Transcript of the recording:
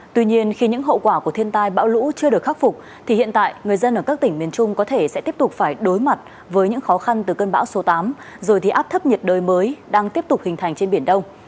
tuy nhiên khi những hậu quả của thiên tai bão lũ chưa được khắc phục thì hiện tại người dân ở các tỉnh miền trung có thể sẽ tiếp tục phải đối mặt với những khó khăn từ cơn bão số tám rồi thì áp thấp nhiệt đới mới đang tiếp tục hình thành trên biển đông